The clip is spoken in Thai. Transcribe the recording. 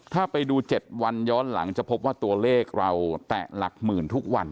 ถ้าไปดู๗วันย้อนหลังจะพบว่าตัวเลขเราแตะหลักหมื่นทุกวัน